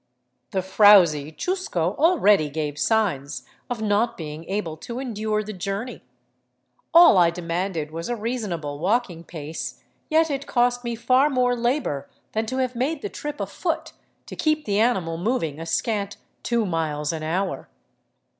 The frowsy chusco already gave signs of not being able to endure the journey. All I demanded was a reasonable walking pace, yet it cost me far more labor than to have made the trip afoot to keep the animal mov ing a scant two miles an hour.